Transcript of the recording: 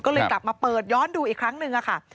ก็เลยกลับมาเปิดย้อนดูอีกครั้งหนึ่งค่ะ